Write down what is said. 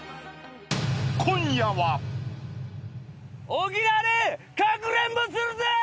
沖縄でかくれんぼするぞー！